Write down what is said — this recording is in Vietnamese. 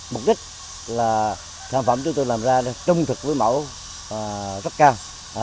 mục đích là sản phẩm chúng tôi làm ra trung thực với mẫu rất cao